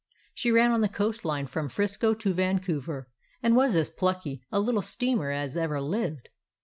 She ran on the Coast Line from 'Frisco to Vancouver, and was as plucky a little steamer as ever lived.